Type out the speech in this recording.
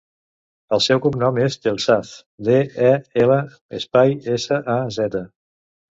El seu cognom és Del Saz: de, e, ela, espai, essa, a, zeta.